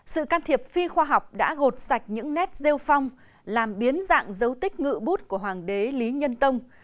sự can thiệp phi khoa học đã gột sạch những nét rêu phong làm biến dạng dấu tích ngự bút của hoàng đế lý nhân tông